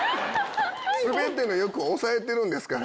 全ての欲抑えてるんですから。